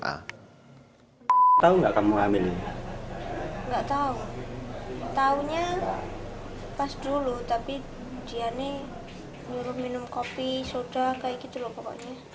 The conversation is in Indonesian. pas dulu tapi dia ini nurut minum kopi soda kayak gitu loh pokoknya